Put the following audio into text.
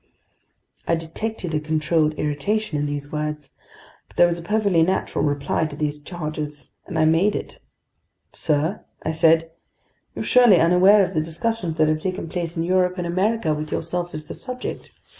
I detected a controlled irritation in these words. But there was a perfectly natural reply to these charges, and I made it. "Sir," I said, "you're surely unaware of the discussions that have taken place in Europe and America with yourself as the subject.